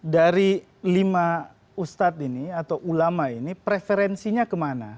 dari lima ustadz ini atau ulama ini preferensinya kemana